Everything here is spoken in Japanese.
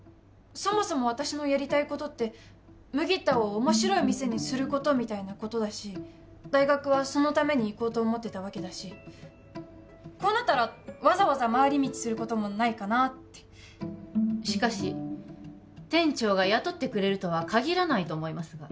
そもそも私のやりたいことって麦田を面白い店にすることみたいなことだし大学はそのために行こうと思ってたわけだしこうなったらわざわざ回り道することもないかなってしかし店長が雇ってくれるとはかぎらないと思いますがそこはどうにかなるんじゃないかなって